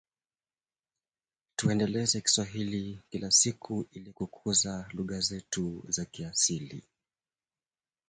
He initially taught chemistry at that university.